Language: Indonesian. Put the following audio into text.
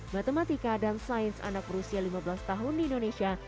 matematika dan sains anak berusia lima belas tahun di indonesia